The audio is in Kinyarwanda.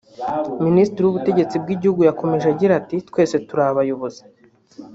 Minisitiri w’ubutegetsi bw’igihugu yakomeje agira ati “Twese turi abayobozi